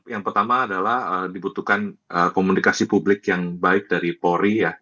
yang pertama adalah dibutuhkan komunikasi publik yang baik dari polri ya